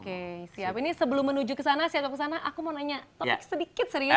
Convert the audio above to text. oke siap ini sebelum menuju kesana siap siap kesana aku mau nanya topik sedikit serius ya